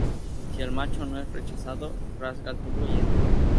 Si el macho no es rechazado, rasga el tubo y entra.